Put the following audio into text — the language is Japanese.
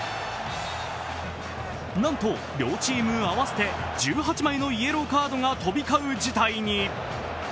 なんと両チーム合わせて１８枚のイエローカードが飛び交う事態に。